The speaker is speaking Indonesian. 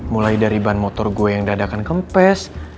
mulai dari ban motor gue yang dadakan kempes